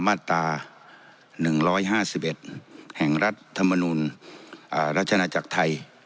มาตราหนึ่งร้อยห้าสิบเอ็ดแห่งรัฐธรรมนุนอ่าราชณจากไทย